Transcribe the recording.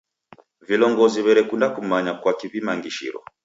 Vilongozi w'erekunda kumanya kwaki w'imangishiro.